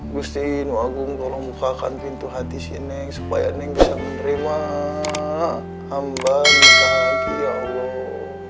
gusti nuh agung tolong bukakan pintu hati si neng supaya neng bisa menerima hamba nikah lagi ya allah